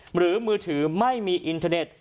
หรือมือถือไม่มีอินเทอร์เน็ต